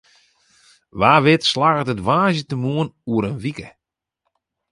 Wa wit slagget it woansdeitemoarn oer in wike.